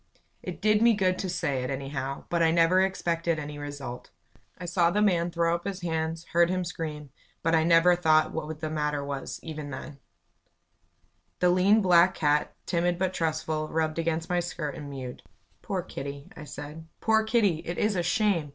It did me good to say it, anyhow, but I never expected any result. I saw the man swing his great whip again, and lay on heartily. I saw him throw up his hands heard him scream but I never thought what the matter was, even then. The lean, black cat, timid but trustful, rubbed against my skirt and mewed. "Poor Kitty" I said; "poor Kitty! It is a shame!"